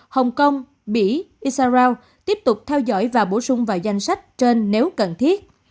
hồng kông bỉ israel tiếp tục theo dõi và bổ sung vào danh sách trên nếu cần thiết